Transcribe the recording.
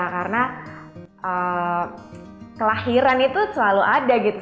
karena kelahiran itu selalu ada gitu